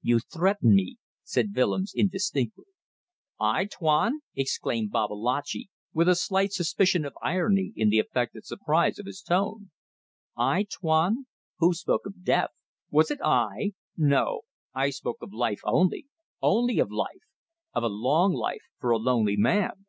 "You threaten me," said Willems, indistinctly. "I, Tuan!" exclaimed Babalatchi, with a slight suspicion of irony in the affected surprise of his tone. "I, Tuan? Who spoke of death? Was it I? No! I spoke of life only. Only of life. Of a long life for a lonely man!"